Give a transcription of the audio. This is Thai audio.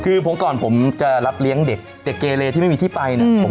คือผมก่อนผมจะรับเลี้ยงเด็กเด็กเกเลที่ไม่มีที่ไปเนี่ย